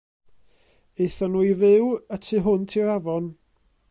Aethon nhw i fyw y tu hwnt i'r afon.